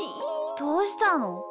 どうしたの？